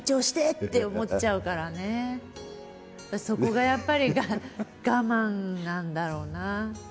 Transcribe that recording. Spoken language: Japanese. そこがやっぱり我慢なんだろうなあ。